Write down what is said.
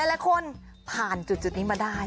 หลายคนผ่านจุดนี้มาได้